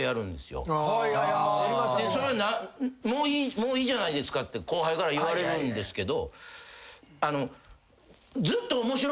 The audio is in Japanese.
もういいじゃないですかって後輩から言われるんですけど。